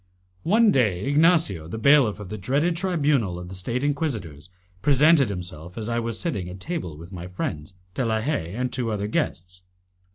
One day, Ignacio, the bailiff of the dreaded tribunal of the State inquisitors, presented himself as I was sitting at table with my friends, De la Haye, and two other guests.